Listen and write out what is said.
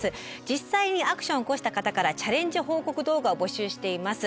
実際にアクションを起こした方からチャレンジ報告動画を募集しています。